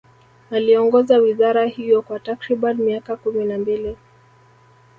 Aliongoza wizara hiyo kwa takriban miaka kumi na mbili